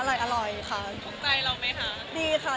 คิดต้องขอมินได้ล่ะ